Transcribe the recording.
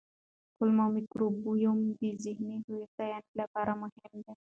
کولمو مایکروبیوم د ذهني هوساینې لپاره مهم دی.